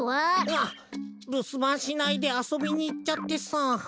あっるすばんしないであそびにいっちゃってさ。